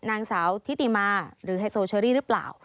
นางสาวทิติมาหรือไฮโซเชอรี่หรือเปล่า